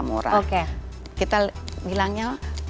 murah kita bilangnya